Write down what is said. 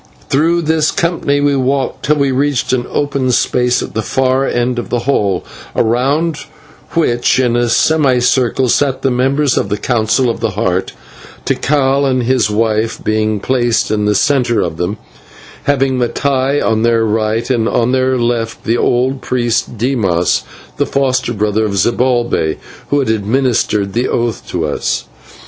Through this company we walked till we reached an open space at the far end of the hall, around which in a semicircle sat the members of the Council of the Heart, Tikal and his wife being placed in the centre of them, having Mattai on their right, and on their left that old priest Dimas, the foster brother of Zibalbay, who had administered the oath to us.